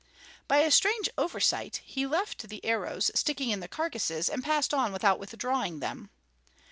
By a strange oversight he left the arrows sticking in the carcasses and passed on without withdrawing them.